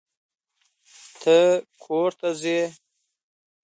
ته کور ته ځې.